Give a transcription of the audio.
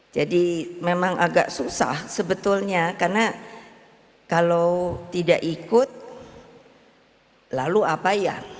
jadi memang agak susah sebetulnya karena kalau tidak ikut lalu apa ya